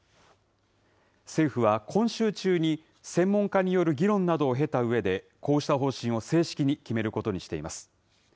政府は、今週中に専門家による議論などを経たうえで、こうした方針を正式に決めることにしています。